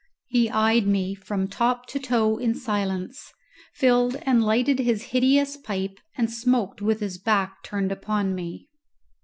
He eyed me from top to toe in silence, filled and lighted his hideous pipe, and smoked with his back turned upon me.